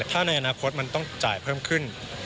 ถ้าในอนาคตมันต้องจ่ายเพิ่มขึ้น